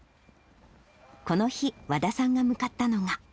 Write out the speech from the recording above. この日、和田さんが向かったのが。